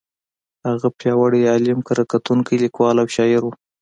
هغه پیاوړی عالم، کره کتونکی، لیکوال او شاعر و.